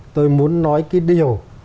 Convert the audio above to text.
tôi muốn nói cái điều